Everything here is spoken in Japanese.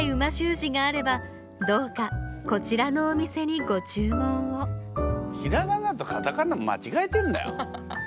字があればどうかこちらのお店にご注文をひらがなとカタカナ間違えてんだよ。